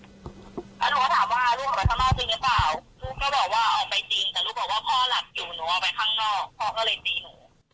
แล้วหนูก็ถามว่าลูกขอพระธรรมจริงหรือเปล่าลูกก็บอกว่าออกไปจริง